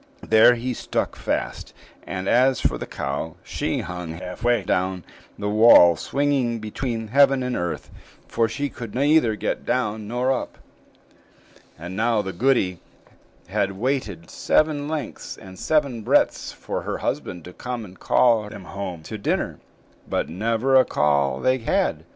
There he stuck fast; and as for the cow, she hung half way down the wall, swinging between heaven and earth, for she could neither get down nor up. And now the goody had waited seven lengths and seven breadths for her husband to come and call them home to dinner; but never a call they had.